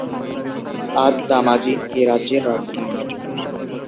আদ-দামাজিন এ রাজ্যের রাজধানী।